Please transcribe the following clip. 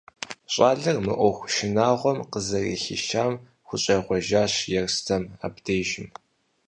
Щӏалэр мы ӏуэху шынагъуэм къызэрыхишам хущӏегъуэжащ Ерстэм абдежым.